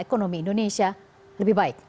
ekonomi indonesia lebih baik